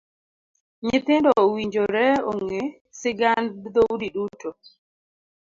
Nyithindo owinjore ong'e sigand dhoudi duto.